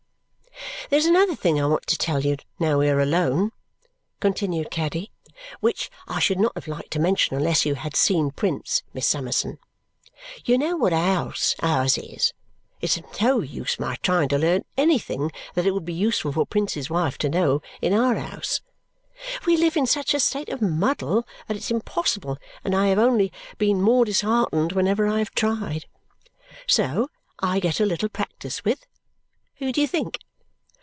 "There's another thing I want to tell you, now we are alone," continued Caddy, "which I should not have liked to mention unless you had seen Prince, Miss Summerson. You know what a house ours is. It's of no use my trying to learn anything that it would be useful for Prince's wife to know in OUR house. We live in such a state of muddle that it's impossible, and I have only been more disheartened whenever I have tried. So I get a little practice with who do you think?